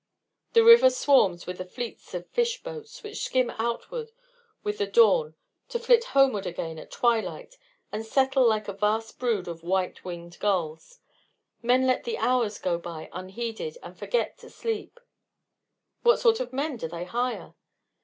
The river swarms with the fleets of fish boats, which skim outward with the dawn to flit homeward again at twilight and settle like a vast brood of white winged gulls. Men let the hours go by unheeded, and forget to sleep." "What sort of men do they hire?"